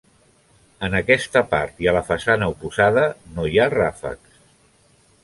En aquesta part i a la façana oposada no hi ha ràfecs.